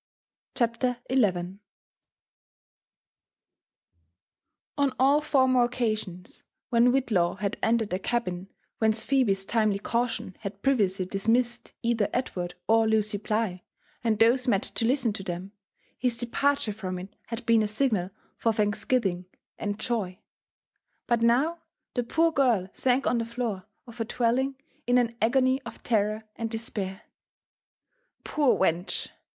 CHAPTER XL On aU former occasions, trhen Whitlaw had entered a cabin whence Phebe's timely caution had previously dismissed either Edward or Lucy Bligh and those met to listen to them, his departure from it had been a signal for thanksgiving and joy ; but now the poor girl sank on the floor of her dwelling in an agony of terror and despair. " Poor wench